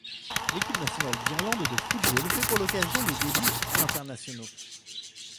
L'équipe nationale d’Irlande de football fait pour l’occasion des débuts internationaux.